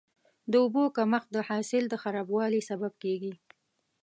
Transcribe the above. د اوبو کمښت د حاصل د خرابوالي سبب کېږي.